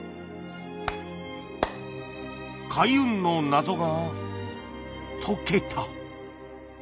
開運の謎が解けた